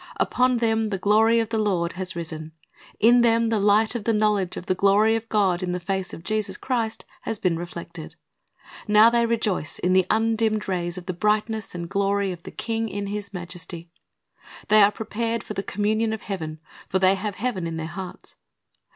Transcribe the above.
Upon them the glory of the Lord has risen. In them the light of the knowledge of the glory of God in the face of Jesus Christ has been reflected. Now they rejoice in the undimmcd rays of the brightness and glory of the King in His majesty. They are prepared for the communion of heaven; for they have heaven in their hearts.